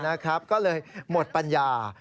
นะครับก็เลยหมดปัญญา